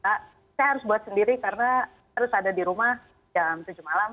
saya harus buat sendiri karena harus ada di rumah jam tujuh malam